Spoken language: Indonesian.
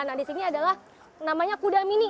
nah di sini adalah namanya kuda mini